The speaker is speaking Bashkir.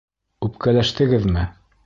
Үпкәләштегеҙме?